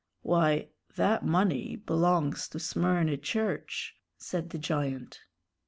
"Why, that money belongs to Smyrny Church," said the giant.